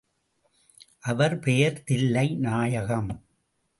அவர் பெயர் தில்லை நாயகம்.